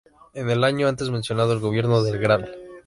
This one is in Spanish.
En el año antes mencionado, el gobierno del Gral.